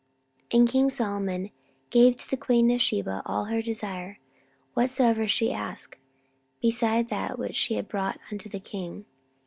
14:009:012 And king Solomon gave to the queen of Sheba all her desire, whatsoever she asked, beside that which she had brought unto the king.